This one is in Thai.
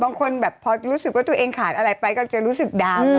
บางคนแบบพอรู้สึกว่าตัวเองขาดอะไรไปก็จะรู้สึกดาม